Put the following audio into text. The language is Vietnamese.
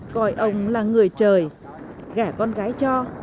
coi ông là người trời gả con gái cho